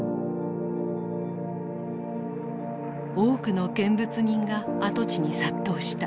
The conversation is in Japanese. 多くの見物人が跡地に殺到した。